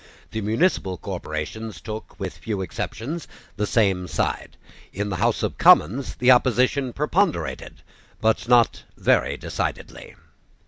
The municipal corporations took, with few exceptions, the same side. In the House of Commons the opposition preponderated, but not very decidedly.